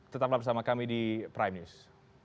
tetaplah bersama kami di prime news